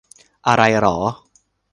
อะไรเหรอ